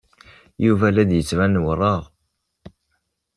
Yuba la d-yettban werraɣ.